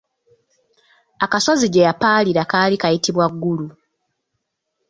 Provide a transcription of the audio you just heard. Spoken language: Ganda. Akasozi gye yapaalira kaali kayitibwa Ggulu.